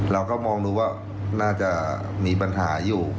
เราก็มองดูว่าน่าจะมีปัญหาอยู่